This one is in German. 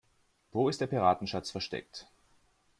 Wo ist der Piratenschatz versteckt?